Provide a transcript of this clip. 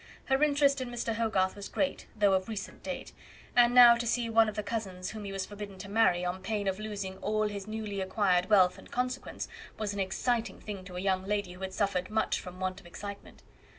Her interest in Mr. Hogarth was great, though of recent date; and now to see one of the cousins whom he was forbidden to marry, on pain of losing all his newly acquired wealth and consequence, was an exciting thing to a young lady who had suffered much from want of excitement.